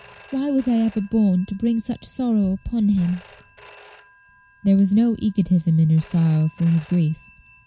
"Why was I ever born to bring such sorrow upon him?" There was no egotism in her sorrow for his grief.